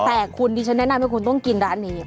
แต่คุณดิฉันแนะนำให้คุณต้องกินร้านนี้